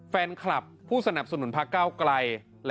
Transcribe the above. แฟนคลับผู้สนับสนุนพระเก้าไกล